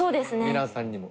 皆さんにも。